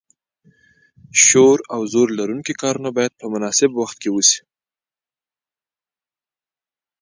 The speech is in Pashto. شور او زور لرونکي کارونه باید په مناسب وخت کې وشي.